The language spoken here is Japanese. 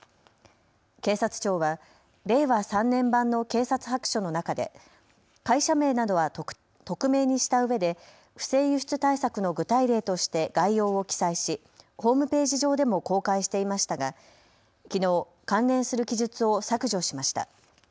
警察庁は令和３年版の警察白書の中で会社名などは匿名にしたうえで不正輸出対策の具体例として概要を記載しホームページ上でも公開していましたがきのう関連する記述を削除しました。